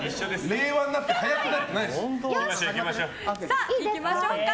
令和になって速くなってないです。